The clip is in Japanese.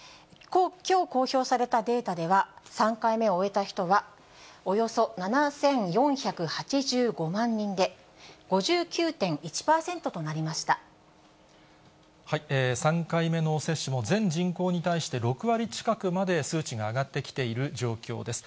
きょう公表されたデータでは、３回目を終えた人はおよそ７４８５万人で、３回目の接種も、全人口に対して６割近くまで数値が上がってきている状況です。